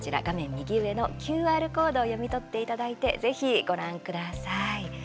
右上のＱＲコードを読み取っていただいてぜひご覧ください。